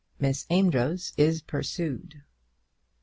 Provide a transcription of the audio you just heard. MISS AMEDROZ IS PURSUED.